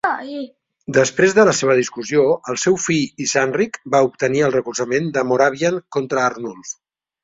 Després de la seva discussió, el seu fill Isanrich va obtenir el recolzament de Moravian contra Arnulf.